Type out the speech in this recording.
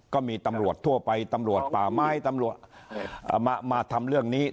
ก็มีตำรวจทั่วไปตำรวจป่าไม้ตำรวจมาทำเรื่องนี้